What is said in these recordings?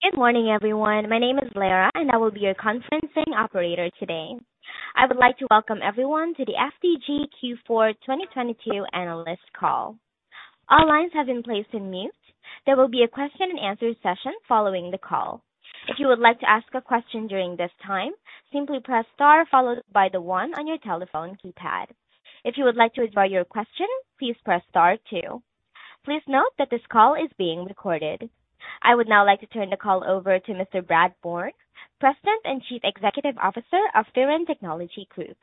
Good morning, everyone. My name is Clara, and I will be your conferencing operator today. I would like to welcome everyone to the FTG Q4 2022 analyst call. All lines have been placed in mute. There will be a question-and-answer session following the call. If you would like to ask a question during this time, simply press star followed by the one on your telephone keypad. If you would like to withdraw your question, please press star two. Please note that this call is being recorded. I would now like to turn the call over to Mr. Brad Bourne, President and Chief Executive Officer of Firan Technology Group.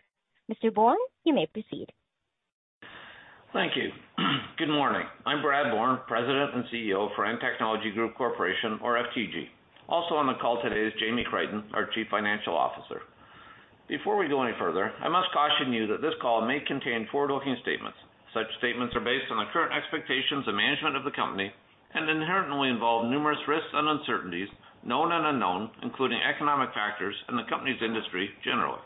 Mr. Bourne, you may proceed. Thank you. Good morning. I'm Brad Bourne, President and CEO, Firan Technology Group Corporation or FTG. Also on the call today is Jamie Crichton, our Chief Financial Officer. Before we go any further, I must caution you that this call may contain forward-looking statements. Such statements are based on the current expectations of management of the company and inherently involve numerous risks and uncertainties, known and unknown, including economic factors and the company's industry generally.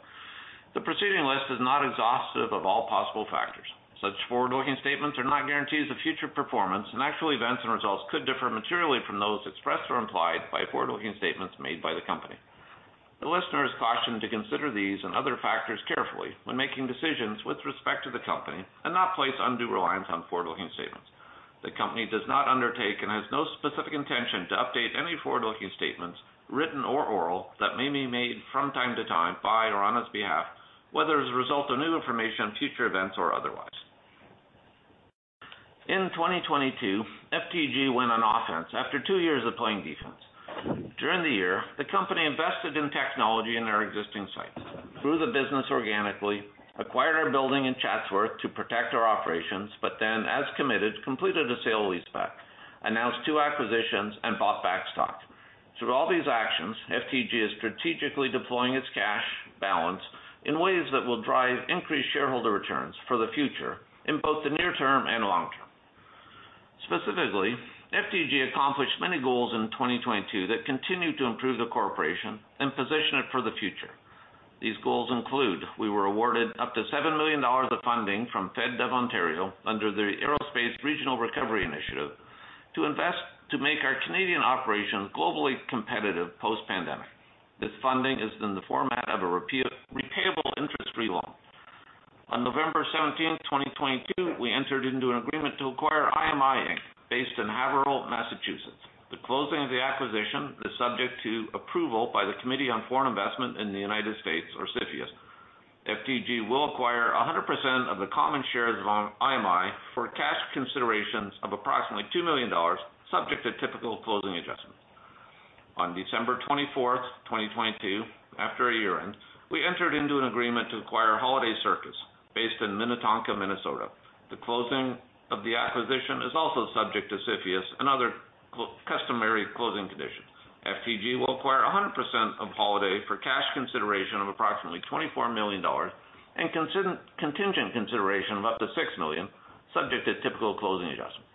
The preceding list is not exhaustive of all possible factors. Such forward-looking statements are not guarantees of future performance, and actual events and results could differ materially from those expressed or implied by forward-looking statements made by the company. The listener is cautioned to consider these and other factors carefully when making decisions with respect to the company and not place undue reliance on forward-looking statements. The company does not undertake and has no specific intention to update any forward-looking statements, written or oral, that may be made from time to time by or on its behalf, whether as a result of new information, future events or otherwise. In 2022, FTG went on offense after two years of playing defense. During the year, the company invested in technology in our existing sites, grew the business organically, acquired our building in Chatsworth to protect our operations, as committed, completed a sale leaseback, announced two acquisitions, and bought back stock. Through all these actions, FTG is strategically deploying its cash balance in ways that will drive increased shareholder returns for the future in both the near term and long term. Specifically, FTG accomplished many goals in 2022 that continued to improve the corporation and position it for the future. These goals include we were awarded up to 7 million dollars of funding from FedDev Ontario under the Aerospace Regional Recovery Initiative to invest to make our Canadian operations globally competitive post-pandemic. This funding is in the format of a repayable interest-free loan. On November 17, 2022, we entered into an agreement to acquire IMI Inc., based in Haverhill, Massachusetts. The closing of the acquisition is subject to approval by the Committee on Foreign Investment in the United States or CFIUS. FTG will acquire 100% of the common shares of IMI for cash considerations of approximately 2 million dollars subject to typical closing adjustments. On December 24, 2022, after a year-end, we entered into an agreement to acquire Holaday Circuits based in Minnetonka, Minnesota. The closing of the acquisition is also subject to CFIUS and other customary closing conditions. FTG will acquire 100% of Holaday for cash consideration of approximately 24 million dollars and contingent consideration of up to 6 million, subject to typical closing adjustments.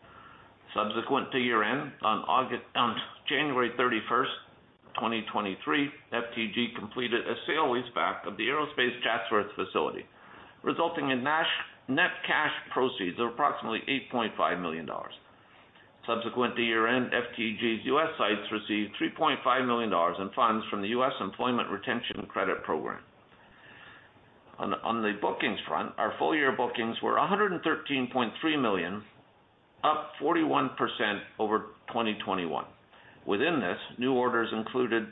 Subsequent to year-end, on January 31, 2023, FTG completed a sale leaseback of the aerospace Chatsworth facility, resulting in net cash proceeds of approximately 8.5 million dollars. Subsequent to year-end, FTG's U.S. sites received $3.5 million in funds from the U.S. Employee Retention Credit Program. On the bookings front, our full year bookings were 113.3 million, up 41% over 2021. Within this, new orders included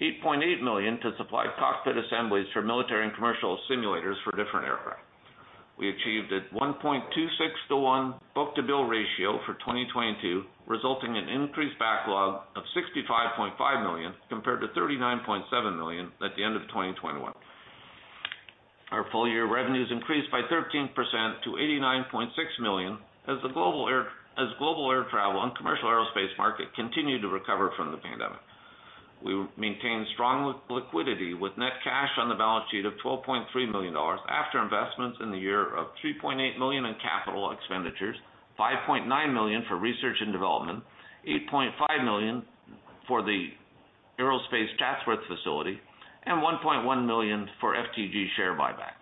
8.8 million to supply cockpit assemblies for military and commercial simulators for different aircraft. We achieved a 1.26 to 1 book-to-bill ratio for 2022, resulting in increased backlog of 65.5 million compared to 39.7 million at the end of 2021. Our full year revenues increased by 13% to 89.6 million as global air travel and commercial aerospace market continued to recover from the pandemic. We maintained strong liquidity with net cash on the balance sheet of 12.3 million dollars after investments in the year of 3.8 million in capital expenditures, 5.9 million for research and development, 8.5 million for the aerospace Chatsworth facility, and 1.1 million for FTG share buyback.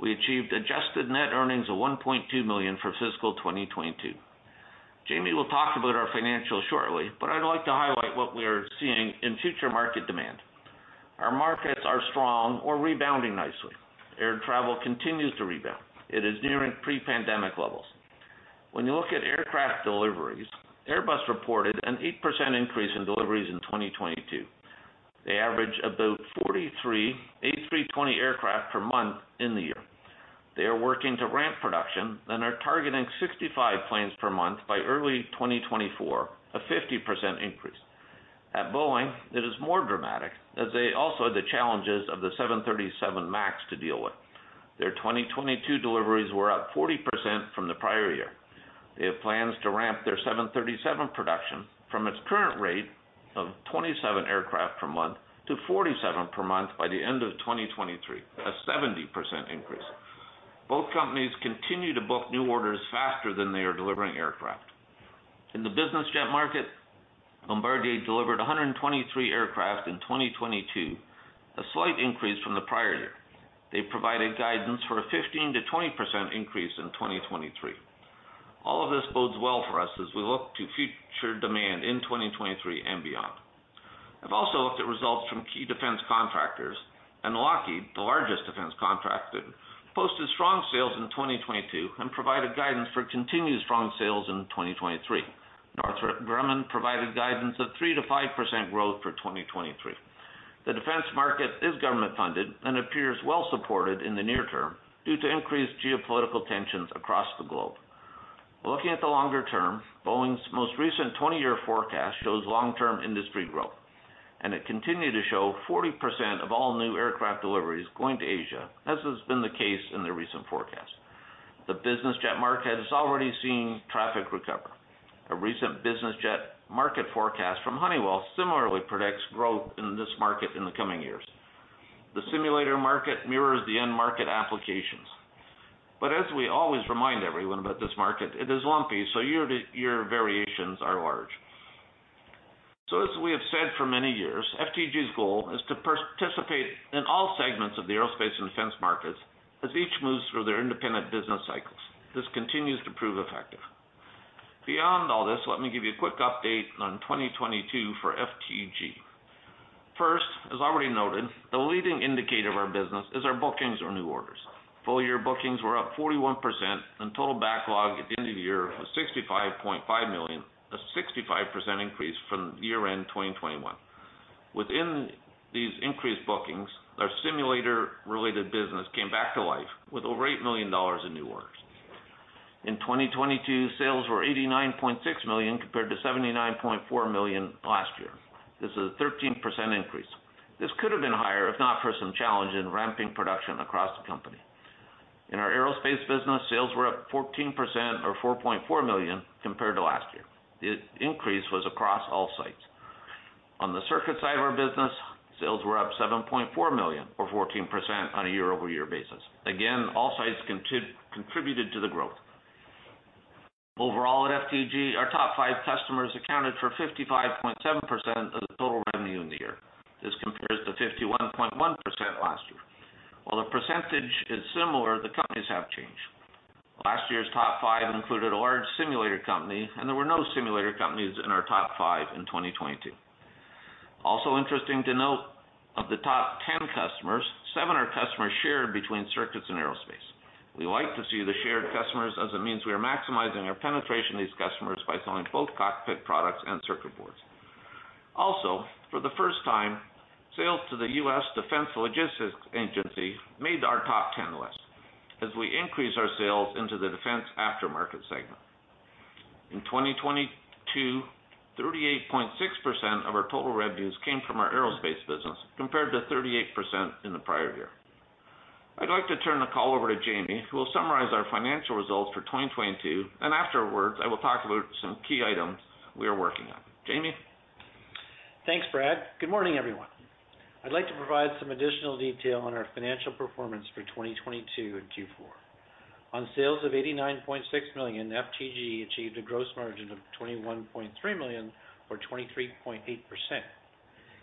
We achieved adjusted net earnings of 1.2 million for fiscal 2022. Jamie will talk about our financials shortly, but I'd like to highlight what we are seeing in future market demand. Our markets are strong or rebounding nicely. Air travel continues to rebound. It is nearing pre-pandemic levels. When you look at aircraft deliveries, Airbus reported an 8% increase in deliveries in 2022. They average about 43 A320 aircraft per month in the year. They are working to ramp production and are targeting 65 planes per month by early 2024, a 50% increase. At Boeing, it is more dramatic as they also had the challenges of the 737 MAX to deal with. Their 2022 deliveries were up 40% from the prior year. They have plans to ramp their 737 production from its current rate of 27 aircraft per month to 47 per month by the end of 2023, a 70% increase. Both companies continue to book new orders faster than they are delivering aircraft. In the business jet market, Bombardier delivered 123 aircraft in 2022, a slight increase from the prior year. They provided guidance for a 15%-20% increase in 2023. All of this bodes well for us as we look to future demand in 2023 and beyond. I've also looked at results from key defense contractors. Lockheed, the largest defense contractor, posted strong sales in 2022 and provided guidance for continued strong sales in 2023. Northrop Grumman provided guidance of 3%-5% growth for 2023. The defense market is government-funded and appears well supported in the near term due to increased geopolitical tensions across the globe. Looking at the longer term, Boeing's most recent 20-year forecast shows long-term industry growth, and it continued to show 40% of all new aircraft deliveries going to Asia, as has been the case in the recent forecast. The business jet market has already seen traffic recover. A recent business jet market forecast from Honeywell similarly predicts growth in this market in the coming years. The simulator market mirrors the end market applications. As we always remind everyone about this market, it is lumpy, so year to year variations are large. As we have said for many years, FTG's goal is to participate in all segments of the aerospace and defense markets as each moves through their independent business cycles. This continues to prove effective. Beyond all this, let me give you a quick update on 2022 for FTG. First, as already noted, the leading indicator of our business is our bookings or new orders. Full year bookings were up 41% and total backlog at the end of the year was 65.5 million, a 65% increase from year-end 2021. Within these increased bookings, our simulator-related business came back to life with over 8 million dollars in new orders. In 2022, sales were 89.6 million compared to 79.4 million last year. This is a 13% increase. This could have been higher if not for some challenge in ramping production across the company. In our aerospace business, sales were up 14% or 4.4 million compared to last year. The increase was across all sites. On the circuit side of our business, sales were up 7.4 million or 14% on a year-over-year basis. Again, all sites contributed to the growth. Overall at FTG, our top five customers accounted for 55.7% of the total revenue in the year. This compares to 51.1% last year. While the percentage is similar, the companies have changed. Last year's top five included a large simulator company, and there were no simulator companies in our top five in 2022. Also interesting to note, of the top 10 customers, seven are customers shared between circuits and aerospace. We like to see the shared customers as it means we are maximizing our penetration of these customers by selling both cockpit products and circuit boards. Also, for the first time, sales to the US Defense Logistics Agency made our top 10 list as we increased our sales into the defense aftermarket segment. In 2022, 38.6% of our total revenues came from our aerospace business, compared to 38% in the prior year. I'd like to turn the call over to Jamie, who will summarize our financial results for 2022. Afterwards, I will talk about some key items we are working on. Jamie? Thanks, Brad. Good morning, everyone. I'd like to provide some additional detail on our financial performance for 2022 and Q4. On sales of 89.6 million, FTG achieved a gross margin of 21.3 million or 23.8%,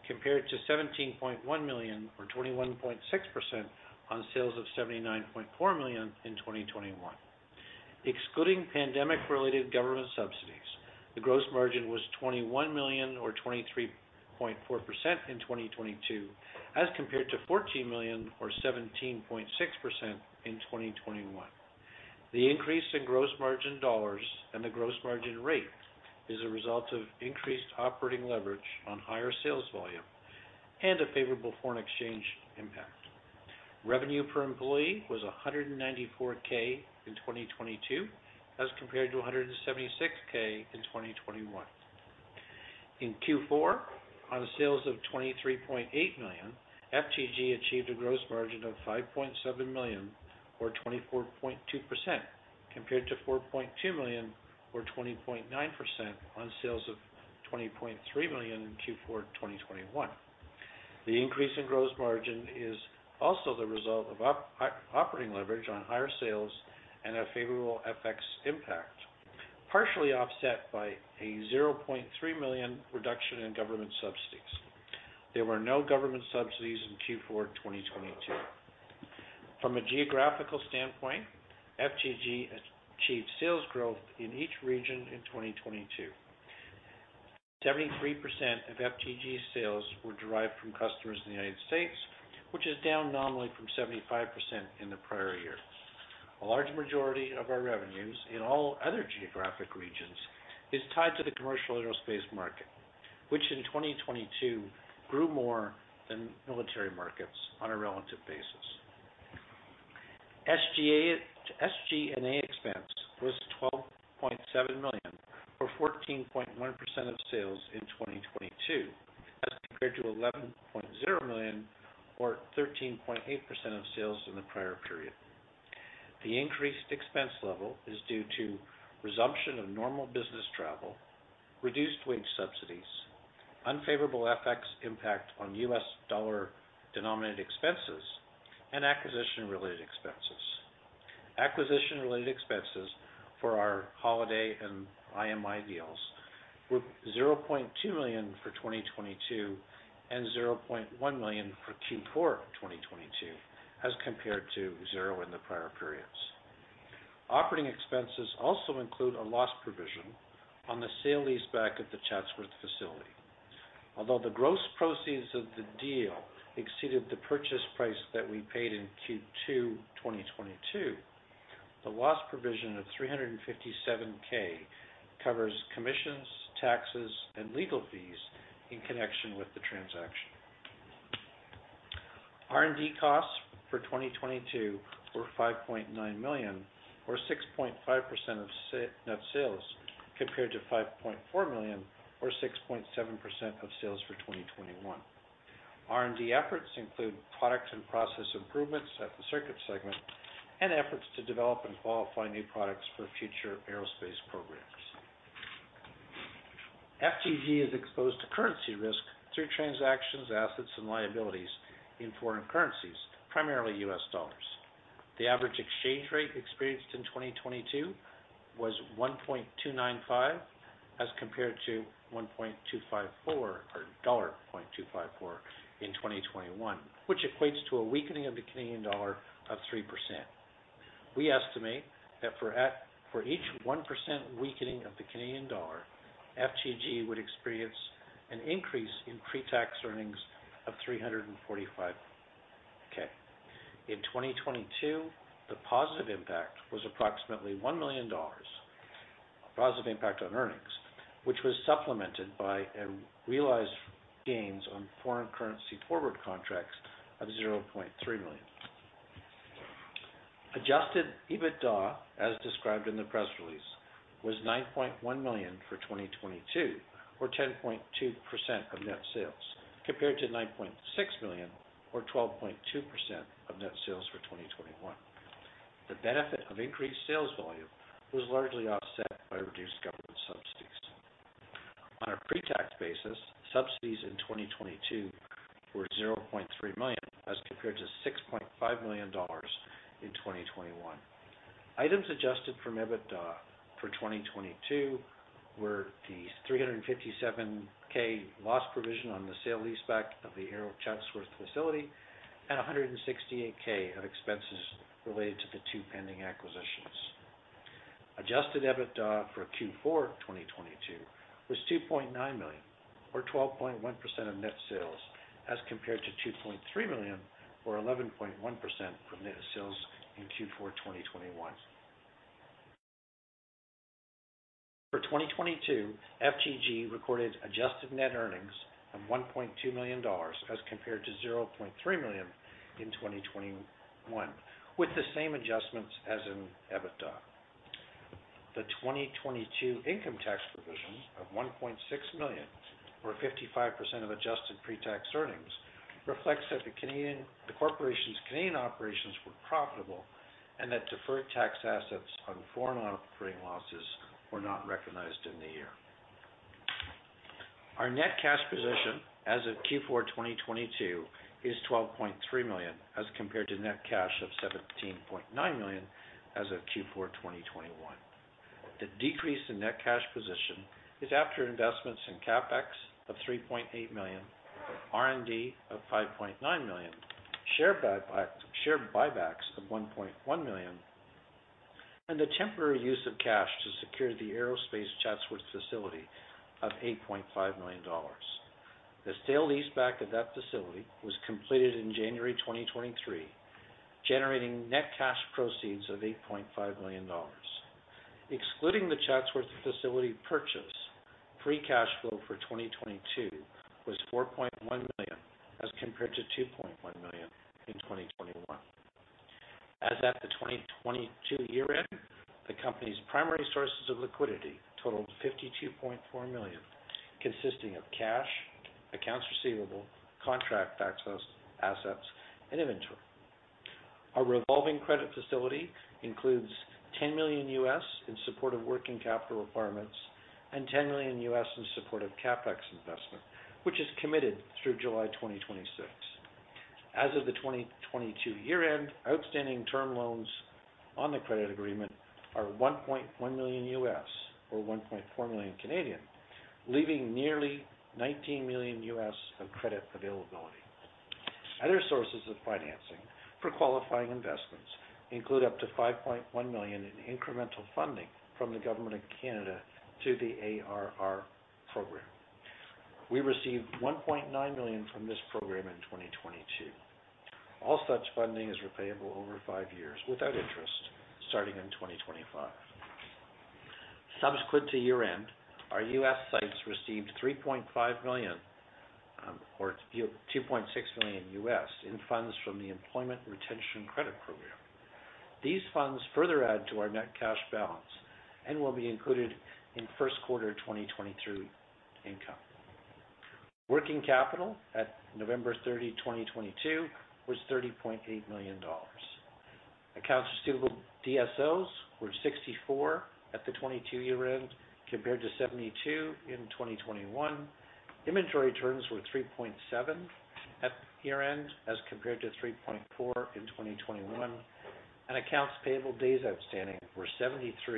compared to 17.1 million or 21.6% on sales of 79.4 million in 2021. Excluding pandemic-related government subsidies, the gross margin was 21 million or 23.4% in 2022, as compared to 14 million or 17.6% in 2021. The increase in gross margin dollars and the gross margin rate is a result of increased operating leverage on higher sales volume and a favorable foreign exchange impact. Revenue per employee was 194K in 2022, as compared to 176K in 2021. In Q4, on sales of 23.8 million, FTG achieved a gross margin of 5.7 million or 24.2%, compared to 4.2 million or 20.9% on sales of 20.3 million in Q4, 2021. The increase in gross margin is also the result of operating leverage on higher sales and a favorable FX impact, partially offset by a 0.3 million reduction in government subsidies. There were no government subsidies in Q4, 2022. From a geographical standpoint, FTG achieved sales growth in each region in 2022. 73% of FTG's sales were derived from customers in the United States, which is down nominally from 75% in the prior year. A large majority of our revenues in all other geographic regions is tied to the commercial aerospace market, which in 2022 grew more than military markets on a relative basis. SG&A expense was CAD 12.7 million or 14.1% of sales in 2022, as compared to 11.0 million or 13.8% of sales in the prior period. The increased expense level is due to resumption of normal business travel, reduced wage subsidies, unfavorable FX impact on U.S. dollar-denominated expenses, and acquisition-related expenses. Acquisition-related expenses for our Holaday and IMI deals were 0.2 million for 2022 and 0.1 million for Q4 2022, as compared to 0 in the prior periods. Operating expenses also include a loss provision on the sale leaseback of the Chatsworth facility. Although the gross proceeds of the deal exceeded the purchase price that we paid in Q2 2022, the loss provision of 357K covers commissions, taxes, and legal fees in connection with the transaction. R&D costs for 2022 were 5.9 million, or 6.5% of net sales, compared to 5.4 million, or 6.7% of sales for 2021. R&D efforts include products and process improvements at the circuit segment and efforts to develop and qualify new products for future aerospace programs. FTG is exposed to currency risk through transactions, assets and liabilities in foreign currencies, primarily U.S. dollars. The average exchange rate experienced in 2022 was 1.295, as compared to 1.254, or dollar 1.254 in 2021, which equates to a weakening of the Canadian dollar of 3%. We estimate that for each 1% weakening of the Canadian dollar, FTG would experience an increase in pre-tax earnings of 345K. In 2022, the positive impact was approximately 1 million dollars, positive impact on earnings, which was supplemented by a realized gains on foreign currency forward contracts of 0.3 million. Adjusted EBITDA, as described in the press release, was 9.1 million for 2022, or 10.2% of net sales, compared to 9.6 million, or 12.2% of net sales for 2021. The benefit of increased sales volume was largely offset by reduced government subsidies. On a pre-tax basis, subsidies in 2022 were 0.3 million, as compared to 6.5 million dollars in 2021. Items adjusted for EBITDA for 2022 were the 357K loss provision on the sale leaseback of the Aero Chatsworth facility and 168K of expenses related to the two pending acquisitions. Adjusted EBITDA for Q4 2022 was 2.9 million or 12.1% of net sales, as compared to 2.3 million or 11.1% of net sales in Q4 2021. For 2022, FTG recorded adjusted net earnings of 1.2 million dollars as compared to 0.3 million in 2021, with the same adjustments as in EBITDA. The 2022 income tax provision of 1.6 million, or 55% of adjusted pre-tax earnings, reflects that the corporation's Canadian operations were profitable and that deferred tax assets on foreign operating losses were not recognized in the year. Our net cash position as of Q4 2022 is 12.3 million, as compared to net cash of 17.9 million as of Q4 2021. The decrease in net cash position is after investments in CapEx of 3.8 million, R&D of 5.9 million, share buybacks of 1.1 million, and the temporary use of cash to secure the aerospace Chatsworth facility of 8.5 million dollars. The sale leaseback of that facility was completed in January 2023, generating net cash proceeds of 8.5 million dollars. Excluding the Chatsworth facility purchase, free cash flow for 2022 was $4.1 million, as compared to $2.1 million in 2021. As at the 2022 year-end, the company's primary sources of liquidity totaled $52.4 million, consisting of cash, accounts receivable, contract backlog, assets, and inventory. Our revolving credit facility includes $10 million U.S. in support of working capital requirements and $10 million U.S. in support of CapEx investment, which is committed through July 2026. As of the 2022 year-end, outstanding term loans on the credit agreement are $1.1 million U.S., or 1.4 million, leaving nearly $19 million U.S. of credit availability. Other sources of financing for qualifying investments include up to $5.1 million in incremental funding from the Government of Canada to the ARRI program. We received $1.9 million from this program in 2022. All such funding is repayable over five years without interest, starting in 2025. Subsequent to year-end, our U.S. sites received $3.5 million, or $2.6 million USD in funds from the Employee Retention Credit Program. These funds further add to our net cash balance and will be included in first quarter 2023 income. Working capital at November 30, 2022 was $30.8 million. Accounts receivable DSOs were 64 at the 2022 year-end, compared to 72 in 2021. Inventory turns were 3.7 at year-end, as compared to 3.4 in 2021, and accounts payable days outstanding were 73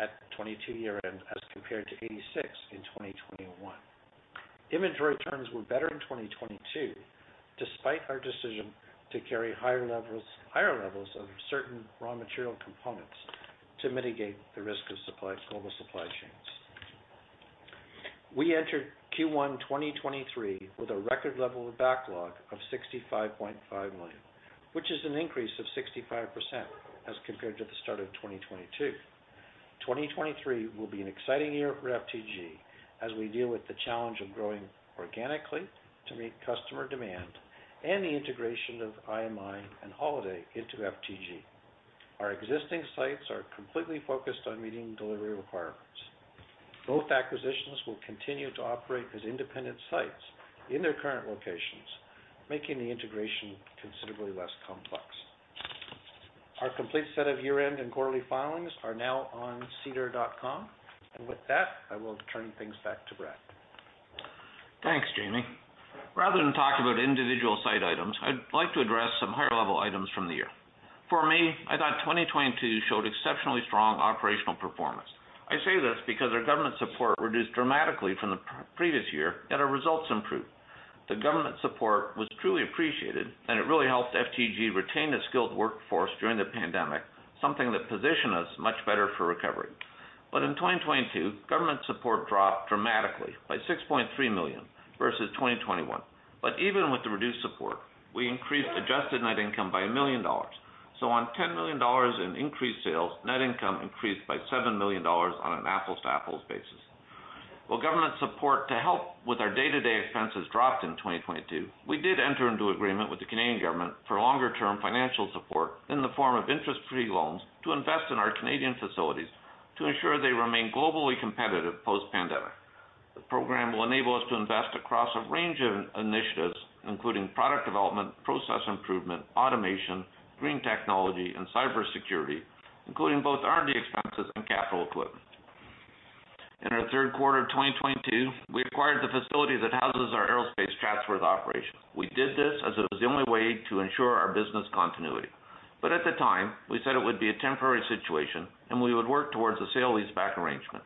at 2022 year-end as compared to 86 in 2021. Inventory terms were better in 2022 despite our decision to carry higher levels of certain raw material components to mitigate the risk of supply, global supply chains. We entered Q1 2023 with a record level of backlog of 65.5 million, which is an increase of 65% as compared to the start of 2022. 2023 will be an exciting year for FTG as we deal with the challenge of growing organically to meet customer demand and the integration of IMI and Holaday into FTG. Our existing sites are completely focused on meeting delivery requirements. Both acquisitions will continue to operate as independent sites in their current locations, making the integration considerably less complex. Our complete set of year-end and quarterly filings are now on sedar.com. With that, I will turn things back to Brad. Thanks, Jamie. Rather than talk about individual site items, I'd like to address some higher-level items from the year. For me, I thought 2022 showed exceptionally strong operational performance. I say this because our government support reduced dramatically from the previous year, and our results improved. The government support was truly appreciated, and it really helped FTG retain a skilled workforce during the pandemic, something that positioned us much better for recovery. In 2022, government support dropped dramatically by 6.3 million versus 2021. Even with the reduced support, we increased adjusted net income by 1 million dollars. On 10 million dollars in increased sales, net income increased by 7 million dollars on an apples-to-apples basis. While government support to help with our day-to-day expenses dropped in 2022, we did enter into agreement with the Canadian government for longer-term financial support in the form of interest-free loans to invest in our Canadian facilities to ensure they remain globally competitive post-pandemic. The program will enable us to invest across a range of initiatives, including product development, process improvement, automation, green technology, and cybersecurity, including both R&D expenses and capital equipment. In our third quarter of 2022, we acquired the facility that houses our aerospace Chatsworth operation. We did this as it was the only way to ensure our business continuity. At the time, we said it would be a temporary situation, and we would work towards a sale leaseback arrangement.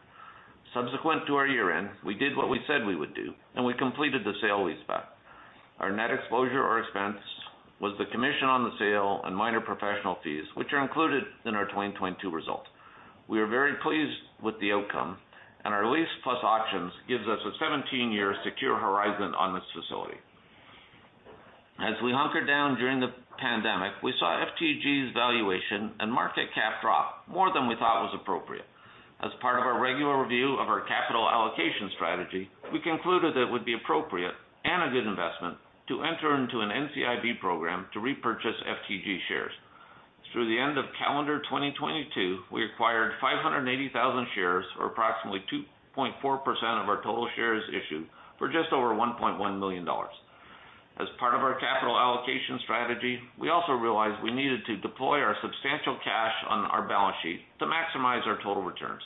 Subsequent to our year-end, we did what we said we would do, and we completed the sale leaseback. Our net exposure or expense was the commission on the sale and minor professional fees, which are included in our 2022 results. We are very pleased with the outcome, and our lease plus options gives us a 17-year secure horizon on this facility. As we hunkered down during the pandemic, we saw FTG's valuation and market cap drop more than we thought was appropriate. As part of our regular review of our capital allocation strategy, we concluded that it would be appropriate and a good investment to enter into an NCIB program to repurchase FTG shares. Through the end of calendar 2022, we acquired 580,000 shares, or approximately 2.4% of our total shares issued, for just over 1.1 million dollars. As part of our capital allocation strategy, we also realized we needed to deploy our substantial cash on our balance sheet to maximize our total returns.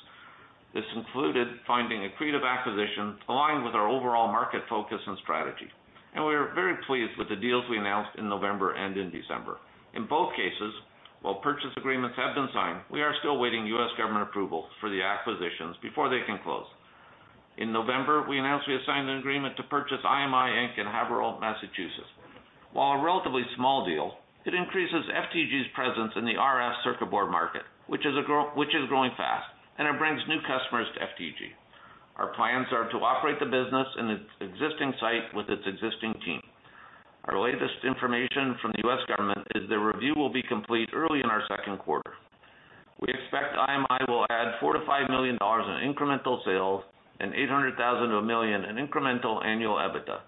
This included finding accretive acquisitions aligned with our overall market focus and strategy. We are very pleased with the deals we announced in November and in December. In both cases, while purchase agreements have been signed, we are still awaiting U.S. government approval for the acquisitions before they can close. In November, we announced we had signed an agreement to purchase IMI, Inc. in Haverhill, Massachusetts. While a relatively small deal, it increases FTG's presence in the RF circuit board market, which is growing fast, and it brings new customers to FTG. Our plans are to operate the business in its existing site with its existing team. Our latest information from the U.S. government is their review will be complete early in our second quarter. We expect IMI will add $4 million-$5 million in incremental sales and $800,000-$1 million in incremental annual EBITDA.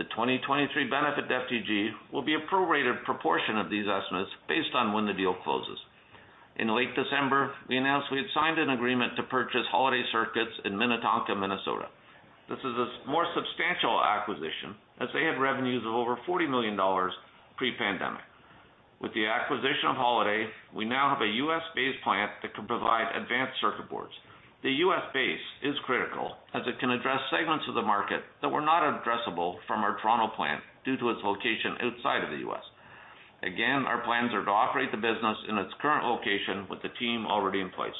The 2023 benefit to FTG will be a prorated proportion of these estimates based on when the deal closes. In late December, we announced we had signed an agreement to purchase Holaday Circuits in Minnetonka, Minnesota. This is a more substantial acquisition as they had revenues of over $40 million pre-pandemic. With the acquisition of Holaday, we now have a U.S.-based plant that can provide advanced circuit boards. The U.S. base is critical as it can address segments of the market that were not addressable from our Toronto plant due to its location outside of the U.S. Again, our plans are to operate the business in its current location with the team already in place.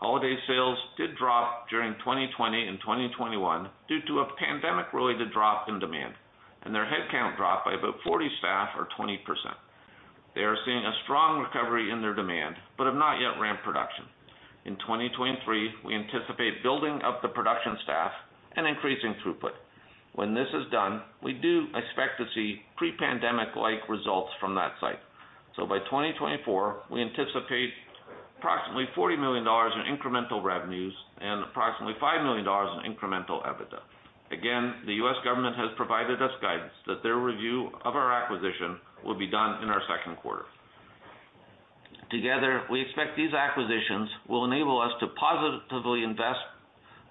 Holaday's sales did drop during 2020 and 2021 due to a pandemic-related drop in demand, and their headcount dropped by about 40 staff or 20%. They are seeing a strong recovery in their demand but have not yet ramped production. In 2023, we anticipate building up the production staff and increasing throughput. When this is done, we do expect to see pre-pandemic-like results from that site. By 2024, we anticipate approximately $40 million in incremental revenues and approximately $5 million in incremental EBITDA. The U.S. government has provided us guidance that their review of our acquisition will be done in our second quarter. Together, we expect these acquisitions will enable us to positively invest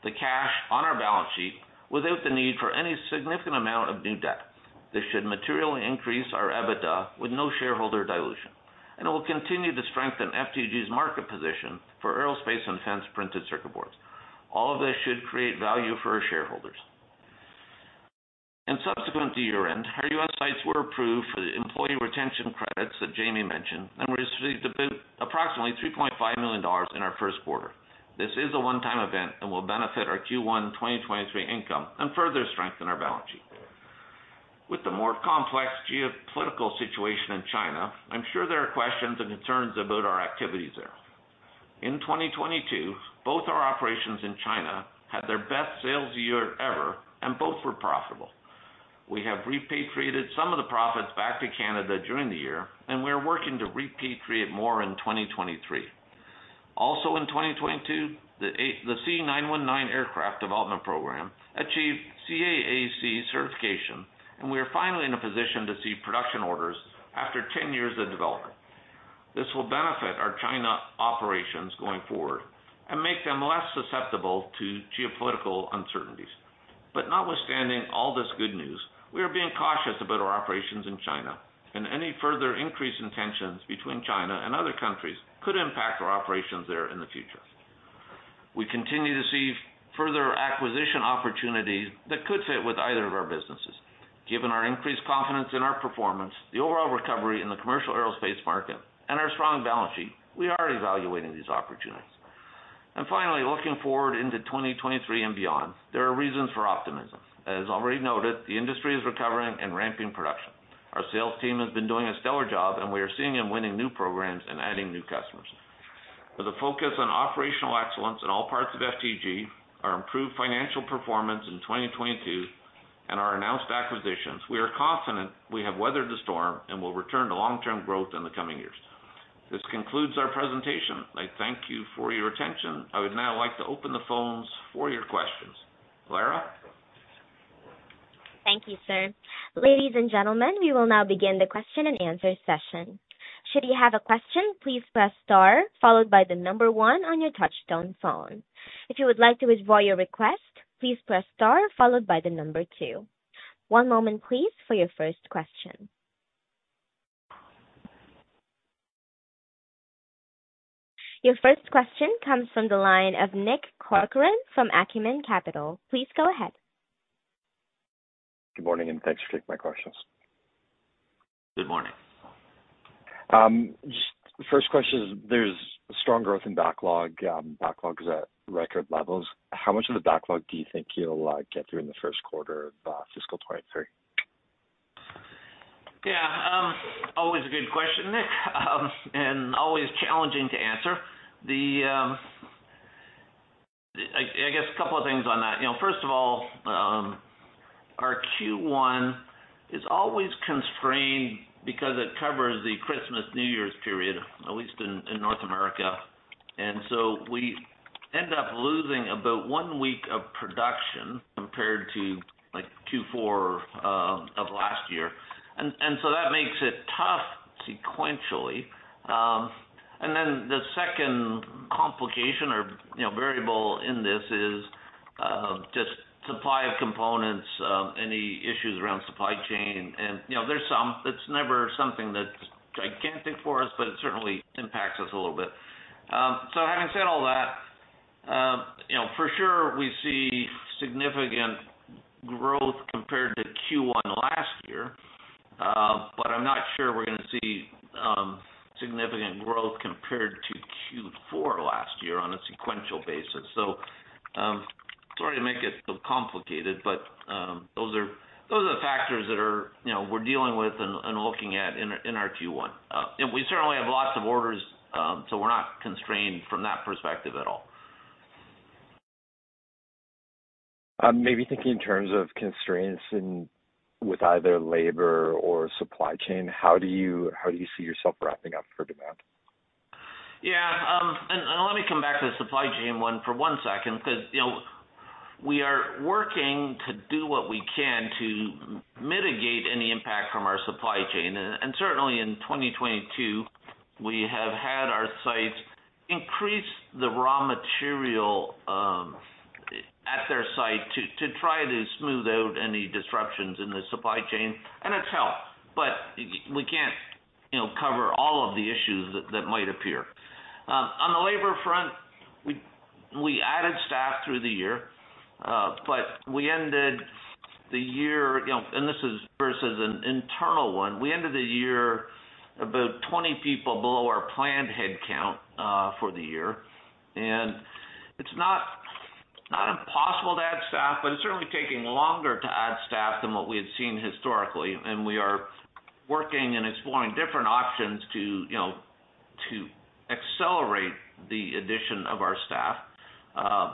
the cash on our balance sheet without the need for any significant amount of new debt. This should materially increase our EBITDA with no shareholder dilution. It will continue to strengthen FTG's market position for aerospace and defense printed circuit boards. All of this should create value for our shareholders. Subsequent to year-end, our U.S. sites were approved for the Employee Retention Credits that Jamie mentioned, and we received about approximately $3.5 million in our first quarter. This is a one-time event and will benefit our Q1 2023 income and further strengthen our balance sheet. With the more complex geopolitical situation in China, I'm sure there are questions and concerns about our activities there. In 2022, both our operations in China had their best sales year ever, and both were profitable. We have repatriated some of the profits back to Canada during the year. We are working to repatriate more in 2023. Also in 2022, the C919 aircraft development program achieved CAAC certification. We are finally in a position to see production orders after 10 years of development. This will benefit our China operations going forward and make them less susceptible to geopolitical uncertainties. Notwithstanding all this good news, we are being cautious about our operations in China, and any further increase in tensions between China and other countries could impact our operations there in the future. We continue to see further acquisition opportunities that could fit with either of our businesses. Given our increased confidence in our performance, the overall recovery in the commercial aerospace market, and our strong balance sheet, we are evaluating these opportunities. Finally, looking forward into 2023 and beyond, there are reasons for optimism. As already noted, the industry is recovering and ramping production. Our sales team has been doing a stellar job, and we are seeing them winning new programs and adding new customers. With a focus on operational excellence in all parts of FTG, our improved financial performance in 2022, and our announced acquisitions, we are confident we have weathered the storm and will return to long-term growth in the coming years. This concludes our presentation. I thank you for your attention. I would now like to open the phones for your questions. Clara? Thank you, sir. Ladies and gentlemen, we will now begin the question-and-answer session. Should you have a question, please press star followed by the number one on your touchtone phone. If you would like to withdraw your request, please press star followed by the number two. One moment please for your first question. Your first question comes from the line of Nick Corcoran from Acumen Capital. Please go ahead. Good morning. Thanks for taking my questions. Good morning. Just first question is, there's strong growth in backlog. Backlog is at record levels. How much of the backlog do you think you'll get through in the first quarter of fiscal 2023? Yeah, always a good question, Nick. Always challenging to answer. I guess a couple of things on that. You know, first of all, our Q1 is always constrained because it covers the Christmas, New Year's period, at least in North America. We end up losing about one week of production compared to like Q4 of last year. That makes it tough sequentially. The second complication or, you know, variable in this is just supply of components, any issues around supply chain. You know, there's some. It's never something that's gigantic for us, but it certainly impacts us a little bit. Having said all that, you know, for sure we see significant growth compared to Q1 last year. I'm not sure we're gonna see significant growth compared to Q4 last year on a sequential basis. Sorry to make it so complicated, but those are the factors that are, you know, we're dealing with and looking at in our Q1. We certainly have lots of orders, we're not constrained from that perspective at all. Maybe thinking in terms of constraints with either labor or supply chain, how do you see yourself ramping up for demand? Yeah. And let me come back to the supply chain one for one second because, you know, we are working to do what we can to mitigate any impact from our supply chain. And certainly in 2022, we have had our sites increase the raw material at their site to try to smooth out any disruptions in the supply chain, and it's helped., but we can't, you know, cover all of the issues that might appear. On the labor front, we added staff through the year, but we ended the year, you know, and this is versus an internal one. We ended the year about 20 people below our planned headcount for the year. It's not impossible to add staff, but it's certainly taking longer to add staff than what we had seen historically. We are working and exploring different options to, you know, to accelerate the addition of our staff,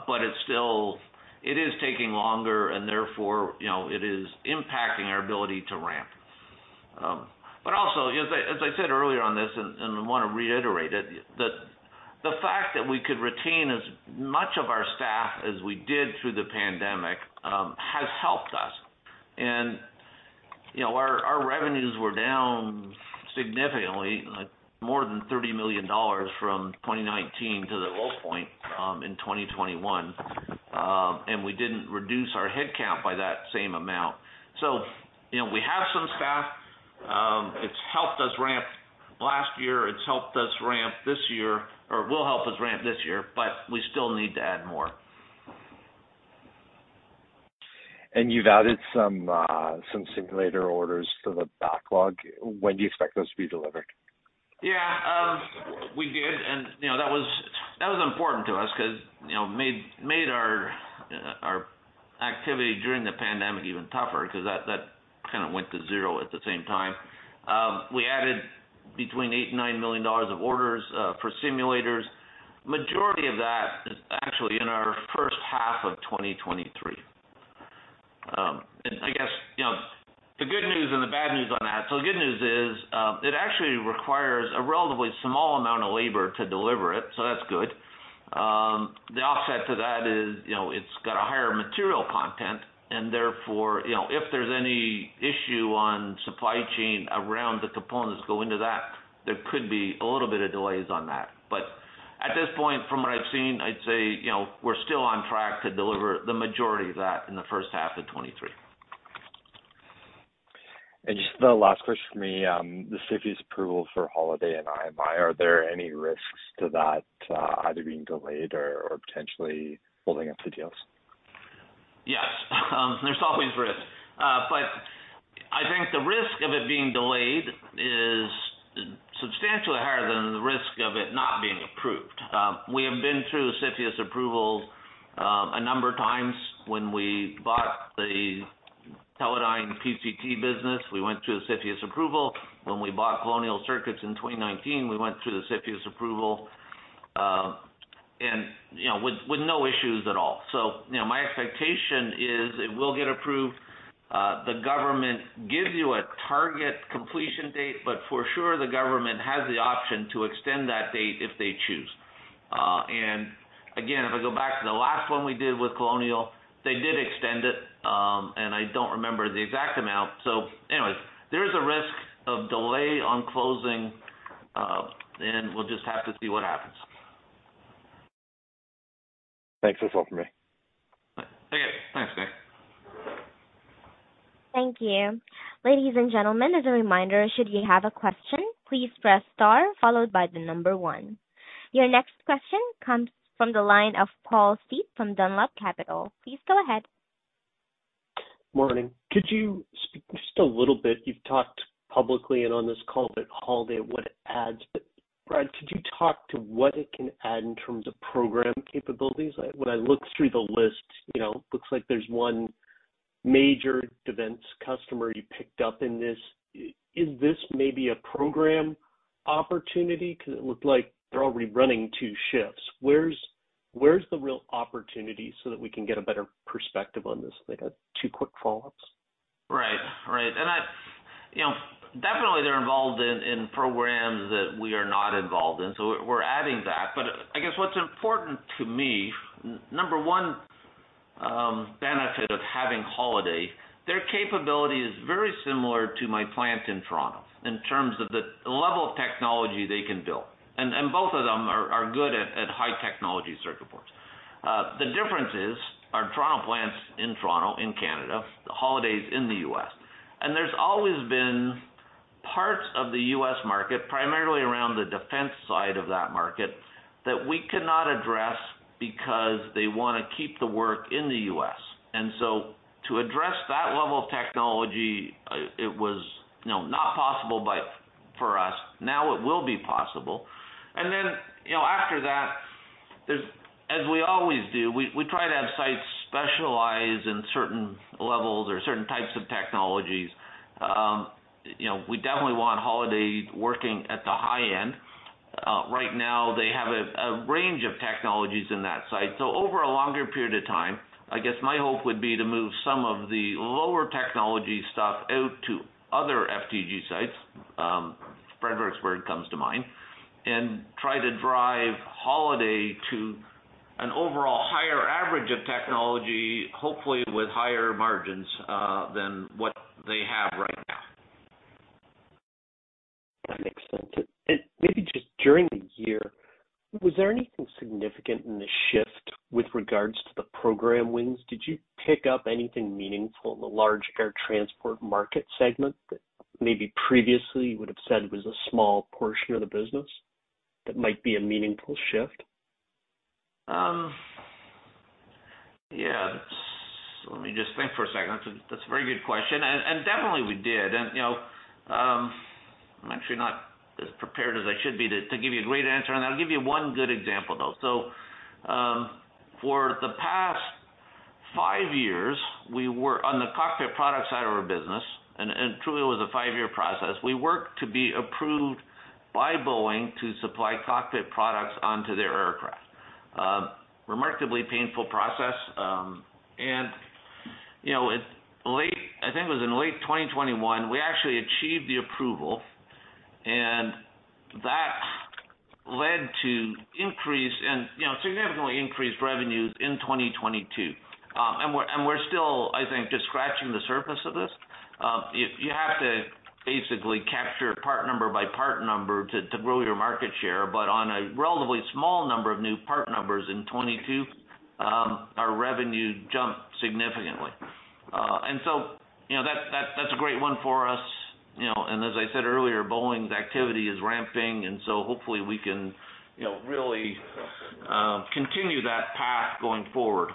but it's still. It is taking longer, and therefore, you know, it is impacting our ability to ramp. Also, as I said earlier on this, and I wanna reiterate it, the fact that we could retain as much of our staff as we did through the pandemic has helped us. You know, our revenues were down significantly, like more than $30 million from 2019 to the low point in 2021. We didn't reduce our headcount by that same amount. You know, we have some staff. It's helped us ramp last year. It's helped us ramp this year, or will help us ramp this year, but we still need to add more. You've added some simulator orders to the backlog. When do you expect those to be delivered? Yeah. We did, and, you know, that was important to us 'cause, you know, made our activity during the pandemic even tougher 'cause that kind of went to zero at the same time. We added between 8 million and 9 million dollars of orders for simulators. Majority of that is actually in our first half of 2023. I guess, you know, the good news and the bad news on that. The good news is, it actually requires a relatively small amount of labor to deliver it, so that's good. The offset to that is, you know, it's got a higher material content and therefore, you know, if there's any issue on supply chain around the components go into that, there could be a little bit of delays on that. At this point, from what I've seen, I'd say, you know, we're still on track to deliver the majority of that in the first half of 2023. Just the last question from me, the CFIUS approval for Holaday and IMI, are there any risks to that, either being delayed or potentially holding up the deals? Yes. There's always risk. I think the risk of it being delayed is substantially higher than the risk of it not being approved. We have been through CFIUS approval a number of times. When we bought the Teledyne PCT business, we went through a CFIUS approval. When we bought Colonial Circuits in 2019, we went through the CFIUS approval, and, you know, with no issues at all. You know, my expectation is it will get approved. The government gives you a target completion date, but for sure, the government has the option to extend that date if they choose. Again, if I go back to the last one we did with Colonial, they did extend it, and I don't remember the exact amount. There is a risk of delay on closing. We'll just have to see what happens. Thanks. That's all for me. Take care. Thanks, Nick. Thank you. Ladies and gentlemen, as a reminder, should you have a question, please press star followed by the number one. Your next question comes from the line of Paul Steep from Scotia Capital. Please go ahead. Morning. Could you speak just a little bit, you've talked publicly and on this call about Holaday Circuits, what it adds. Brad Bourne, could you talk to what it can add in terms of program capabilities? When I look through the list, you know, looks like there's one major defense customer you picked up in this. Is this maybe a program opportunity? 'Cause it looked like they're already running two shifts. Where's the real opportunity so that we can get a better perspective on this? I got two quick follow-ups. Right. Right. I, you know, definitely they're involved in programs that we are not involved in, so we're adding that. I guess what's important to me, number one, benefit of having Holaday, their capability is very similar to my plant in Toronto in terms of the level of technology they can build. Both of them are good at high technology circuit boards. The difference is our Toronto plant's in Toronto, in Canada, Holaday's in the U.S.. There's always been parts of the U.S. market, primarily around the defense side of that market, that we could not address because they wanna. Keep the work in the U.S.. So to address that level of technology, it was, you know, not possible for us. Now it will be possible. You know, after that, as we always do, we try to have sites specialize in certain levels or certain types of technologies. you know, we definitely want Holaday working at the high end. Right now they have a range of technologies in that site. Over a longer period of time, I guess my hope would be to move some of the lower technology stuff out to other FTG sites, Fredericksburg comes to mind, and try to drive Holaday to an overall higher average of technology, hopefully with higher margins than what they have right now. That makes sense. Maybe just during the year, was there anything significant in the shift with regards to the program wins? Did you pick up anything meaningful in the large air transport market segment that maybe previously you would have said was a small portion of the business that might be a meaningful shift? Yeah. Let me just think for a second. That's a very good question. Definitely we did. You know, I'm actually not as prepared as I should be to give you a great answer, and I'll give you one good example, though. For the past five years, we were on the cockpit product side of our business, and truly it was a five-year process. We worked to be approved by Boeing to supply cockpit products onto their aircraft. Remarkably painful process. You know, I think it was in late 2021, we actually achieved the approval, and that led to increase in, you know, significantly increased revenues in 2022. We're still, I think, just scratching the surface of this. You have to basically capture part number by part number to grow your market share. On a relatively small number of new part numbers in 2022, our revenue jumped significantly. You know, that's a great win for us, you know. As I said earlier, Boeing's activity is ramping, hopefully we can, you know, really continue that path going forward.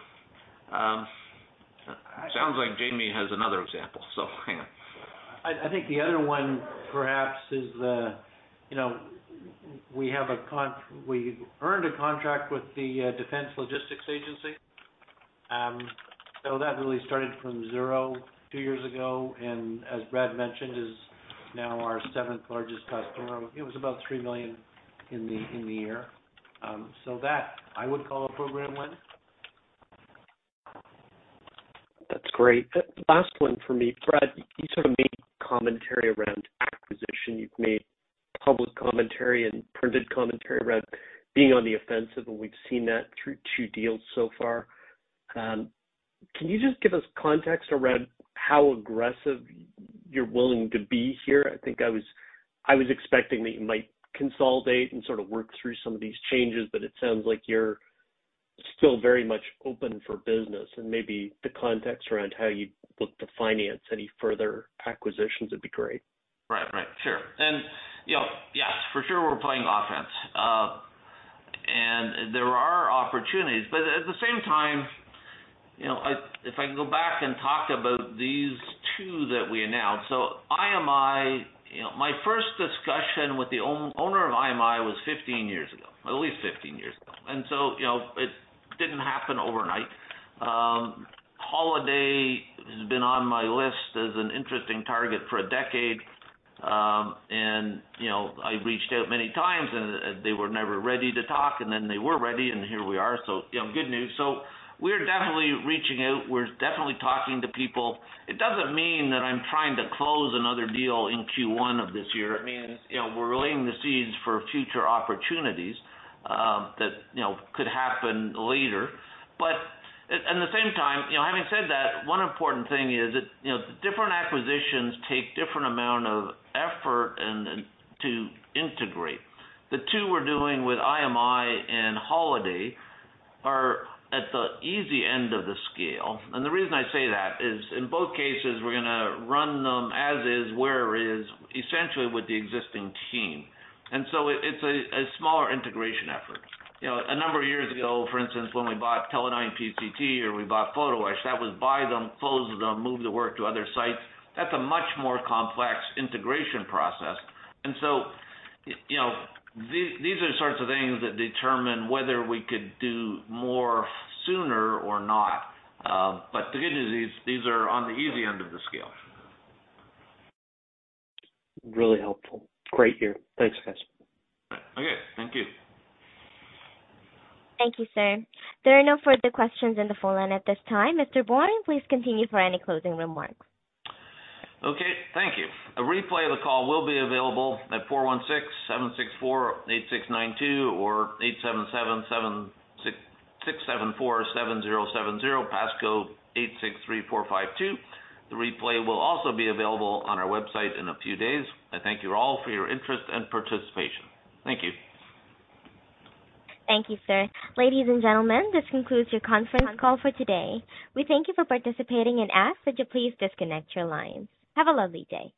Sounds like Jamie has another example. Hang on. I think the other one perhaps is, you know, we earned a contract with the Defense Logistics Agency. That really started from zero two years ago. As Brad mentioned, is now our seventh-largest customer. It was about 3 million in the year. That I would call a program win. That's great. Last one for me. Brad, you sort of made commentary around acquisition. You've made public commentary and printed commentary around being on the offensive, and we've seen that through two deals so far. Can you just give us context around how aggressive you're willing to be here? I was expecting that you might consolidate and sort of work through some of these changes, but it sounds like you're still very much open for business and maybe the context around how you'd look to finance any further acquisitions would be great. Right. Right. Sure. You know, yes, for sure we're playing offense. There are opportunities, but at the same time, you know, if I can go back and talk about these two that we announced. IMI, you know, my first discussion with the owner of IMI was 15 years ago, at least 15 years ago. You know, it didn't happen overnight. Holaday has been on my list as an interesting target for a decade. You know, I reached out many times, and they were never ready to talk, and then they were ready, and here we are. You know, good news. We're definitely reaching out. We're definitely talking to people. It doesn't mean that I'm trying to close another deal in Q1 of this year. It means, you know, we're laying the seeds for future opportunities, that, you know, could happen later. At the same time, you know, having said that, one important thing is that, you know, different acquisitions take different amount of effort and to integrate. The two we're doing with IMI and Holaday are at the easy end of the scale. The reason I say that is in both cases, we're gonna run them as is, where is, essentially with the existing team. It's a smaller integration effort. You know, a number of years ago, for instance, when we bought Teledyne PCT or we bought PhotoEtch, that was buy them, close them, move the work to other sites. That's a much more complex integration process. You know, these are the sorts of things that determine whether we could do more sooner or not. The good news is these are on the easy end of the scale. Really helpful. Great hear. Thanks, guys. Okay. Thank you. Thank you, sir. There are no further questions in the phone line at this time. Mr. Bourne, please continue for any closing remarks. Okay. Thank you. A replay of the call will be available at 416-764-8692 or 877-767-4707, passcode 863452. The replay will also be available on our website in a few days. I thank you all for your interest and participation. Thank you. Thank you, sir. Ladies and gentlemen, this concludes your conference call for today. We thank you for participating and ask that you please disconnect your lines. Have a lovely day.